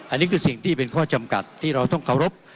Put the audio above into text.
อันนี้คือสิ่งที่เป็นข้อจำกัดที่เราต้องเคารพ